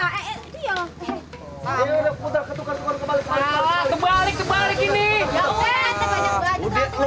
ini udah putar ketukar ketukar